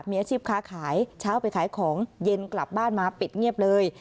มีอาชีพค้าขายเช้าไปขายของเย็นกลับบ้านมาปิดเงียบเลย